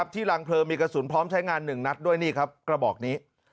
ที่รังเพลิงมีกระสุนพร้อมใช้งาน๑นัดด้วยนี่ครับกระบอกนี้